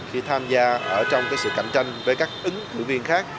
khi tham gia trong sự cạnh tranh với các ứng lưu viên khác